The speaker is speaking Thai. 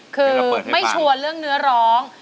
คือไม่ชัวร์เรื่องเนื้อร้อง